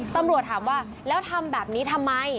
ตำรวจถามว่าแล้วทำแบบนี้ทำไม